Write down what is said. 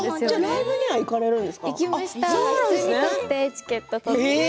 ライブには行かれるんですね。